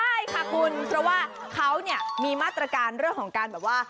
ใช่ค่ะคุณเพราะว่าเขาเนี่ยมีมาตรการเรื่องของการแบบว่า